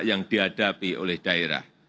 tantangan medesak yang dihadapi oleh daerah